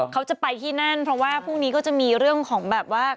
เขาจะไปที่นั่นเพราะว่าพรุ่งนี้ก็จะมีเรื่องของแบบว่า